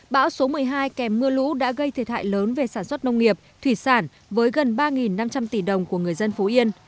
bão số một mươi hai kèm mưa lũ đã gây thiệt hại lớn về sản xuất nông nghiệp thủy sản với gần ba năm trăm linh tỷ đồng của người dân phú yên